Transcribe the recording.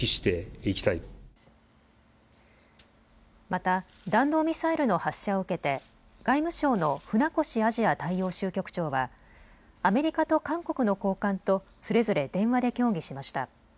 また弾道ミサイルの発射を受けて外務省の船越アジア大洋州局長は、アメリカと韓国の高官とそれぞれ電話で協議しました。